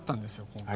今回。